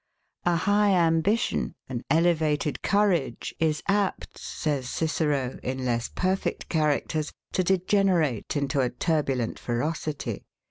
A high ambition, an elevated courage, is apt, says Cicero, in less perfect characters, to degenerate into a turbulent ferocity.